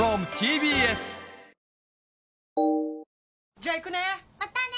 じゃあ行くね！